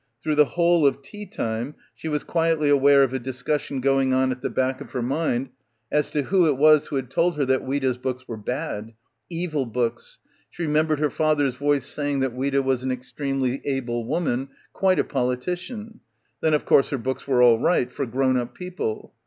Through the whole of tea time she was quietly aware of a discussion going on at the back of her mind as to who it was who had told her that Ouida's books were bad; evil books. She remembered her father's voice saying that Ouida was an extremely able woman, quite a politician. Then of course her books were all right, for grown up people.